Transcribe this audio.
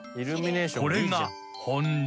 ［これが本流］